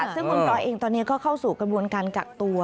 ซึ่งคุณปลอยเองตอนนี้ก็เข้าสู่กระบวนการกักตัว